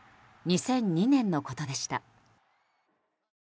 ２００２年のことでした。